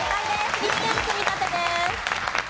１点積み立てです。